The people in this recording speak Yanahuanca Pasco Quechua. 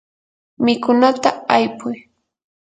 mikunata aypuy.